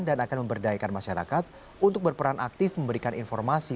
dan akan memberdayakan masyarakat untuk berperan aktif memberikan informasi